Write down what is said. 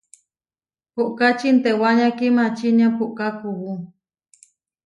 Puʼka čintewania kimačinia, puʼká kuú.